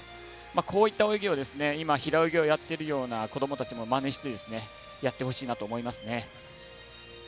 こういった泳ぎを今、平泳ぎをやっている子供たちも、まねしてやってほしいなと思いますね。